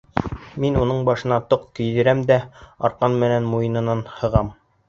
Мин уның башына тоҡ кейҙерәм дә арҡан менән муйынынан һығам.